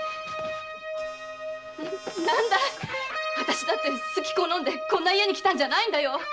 何だいあたしだってすき好んでこんな家に来たんじゃないんだよ。